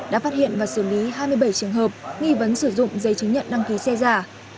đã phát hiện và xử lý hai mươi bảy trường hợp nghi vấn sử dụng giấy chứng nhận đăng ký xe giả